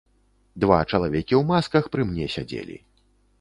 Два чалавекі ў масках пры мне сядзелі.